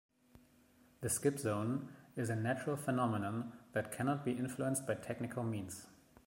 The skip zone is a natural phenomenon that cannot be influenced by technical means.